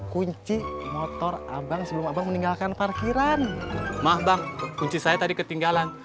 kunci motor abang sebelum abang meninggalkan parkiran mah bang kunci saya tadi ketinggalan